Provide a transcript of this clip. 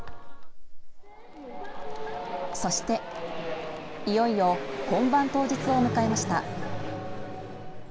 そして、いよいよ本番当日を迎えました。